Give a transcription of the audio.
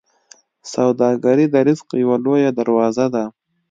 سوداګري د رزق یوه لویه دروازه ده.